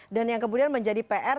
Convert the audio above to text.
dan yang kemudian menjadi pr